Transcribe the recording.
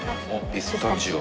ピスタチオ。